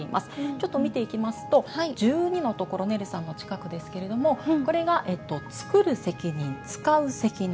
ちょっと見ていきますと１２のところねるさんの近くですけれどもこれがえっと「つくる責任つかう責任」。